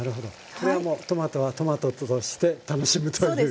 これはもうトマトはトマトとして楽しむということですね。